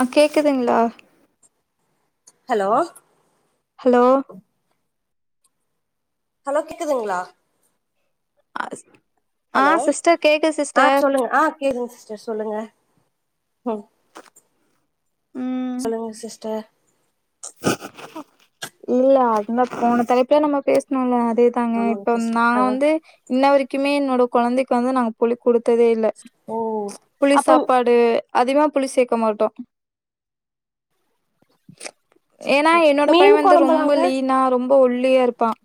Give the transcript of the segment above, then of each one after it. ஆ கேட்குதுங்ளா hello hello hello கேக்குதுங்ளா ஆ சிஸ்டர் கேக்குது சிஸ்டர் கேதுங்க சிஸ்டர் சொல்லுங்க ம் ம் சொல்லுங்க சிஸ்டர் இல்ல அந்த போன தலைப்புல நம்ம பேசணுல்ல அதே தாங்க ஆமாங்க இப்ப சிஸ்டர் நா அதா வந்து இன்ன வரைக்குமே என்னோட கொழந்தைக்கு வந்து நாங்க புளி குடுத்ததே இல்ல ஓ புளி அப்ப சாப்பாடு அதிகமா புளி சேக்க மாட்டோ ஏனா என்னோட பையன் மீன் வந்து ரொம்ப கொழம்பலாங்க லீனா ரொம் ப ஒல்லியா இருப்பான்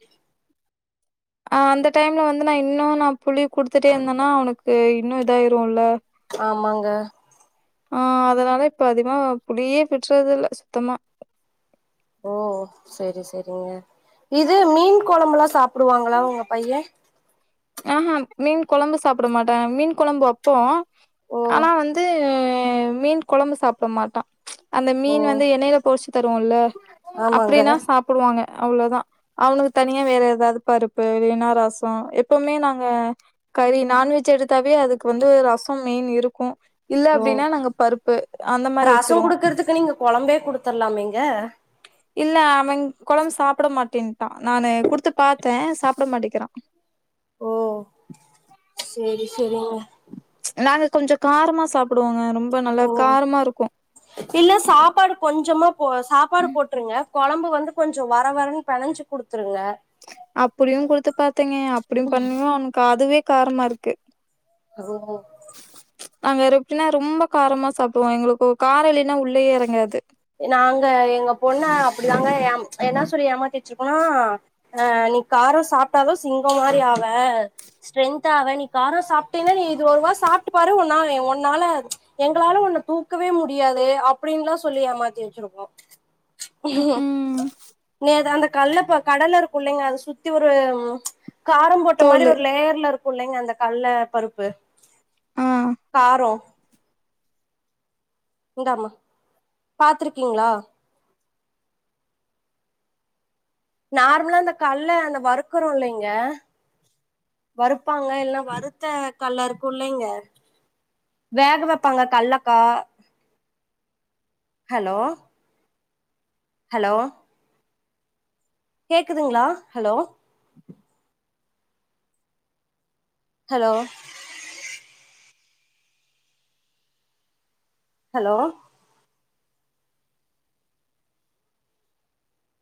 அந்த டைம்ல வந்து நா இன்னு நா புளி குடுத்துட்டே இருந்தேனா அவனுக்கு இன்னு இதாயிருல்ல ஆமாங்க ஆ அதனால இப்ப அதிகமா புளியே விட்டுறது இல்ல சுத்தமா ஓ சரி சரிங்க இது மீன் கொழம்பெல்லா சாப்டுவாங்ளா உங்க பையன் அஹா மீன் கொழம்பு சாப்ட மாட்டா மீன் கொழம்பு வெப்போ ஓ ஆனா வந்த மீன் கொழம்ப சாப்ட மாட்டான் அந்த ஓ மீன் வந்து எண்ணேல பொறிச்சு தருவோல்ல ஆமாங்க அப்டினா சா டுவாங்க அவ்ளோதா அவுங்ளுக்கு தனியா வேற எதாது பருப்பு இல்லனா ரசோ எப்போமே நாங்க கறி நான்வெஜ் எடுத்தாவே அதுக்கு வந்து ரசோம் மெயின் இருக்கு இல்ல ஓ அப்டினா நாங்க பருப்பு அந்த மாரி ரசோ வெச்சிருவோ குடுக்கறதுக்கு நீங்க கொழம்பே குடுத்தர்லாமேங்க இல்ல அவன் கொழம் சாப்ட மாட்டேன்ட்டா நானு குடுத்து பாத்த சாப்ட மாட்டிக்கிறா ஓ சேரி சேரிங்க நாங்க கொஞ்சோ காரமா சாப்டுவோங்க ரொம் ஓ இல்ல சாப்பாடு கொஞ்சமா போ சாப்பாடு போட்ருங்க கொழம்பு வந்து கொஞ்சொ வர வரன் பெனஞ்சு குடுத்துருங்க அப்டியுன் குடுத்து பாத்தேங்க அப்டியும் பண்ணியும் அவனுக்கு அதுவே காரமா இருக்கு அஹஹ ஓ நாங்க ரிப்னா ரொம்ப காரமா சாப்டுவோ எங்ளுக்கு காரோ இல்லீனா உள்ளயே எறங்காது நாங்க எங்க பொண்ண அப்டிதாங்க எம் என்னா சொல்லி ஏமாத்திட்ருக்கோனா ஆ நீ காரோ சாப்டாதா சிங்கோ மாரி ஆவ ஸ்ட்ரென்த் ஆவ நீ காரோ சாப்டீனா நீ இது ஒருவா சாப்ட்டு பாரு உன்னா உன்னால எங்களாலு உன்ன தூ க்கவே முடியாது அப்டின்ல்லா சொல்லி ஏமா ஜேச்சிருக்கோ ம் ம் நீ அத அந்த கல்லப்ப கடல இருக்கு இல்லங்க அத சுத்தி ஒரூ காரம் போட்ட மாரி தோலு ஒரு லேயர்ல இரு க்குல்லைங்க அந்த கல்ல பருப்பு ஆ காரோ இந்தாமா பாத்திருக்கீங்ளா நார்மலா இந்த கல்ல அந்த வறுக்கறோ இல்லைங்க வறுப்பாங்க இல்னா வறுத்த கல்ல இருக்குல்லைங்க வேக வப்பாங்க கல்லக்கா ஹலோ ஹலோ கேக்குதுங்ளா ஹலோ ஹலோ ஹலோ